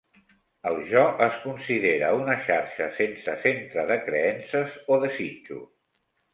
El jo es considera una "xarxa sense centre de creences o desitjos".